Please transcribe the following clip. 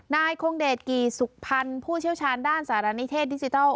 นายคงเดชกี่สุขพันธ์ผู้เชี่ยวชาญด้านสารณิเทศดิจิทัล